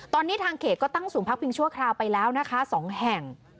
ตอนนี้ทางเขตก็ตั้งศูนย์พักพิงชั่วคราวไปแล้วนะคะ๒แห่ง